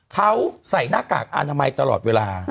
เขาใส่หน้ากากอนามัยตลอดเวลา